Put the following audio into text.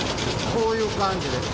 こういう感じです。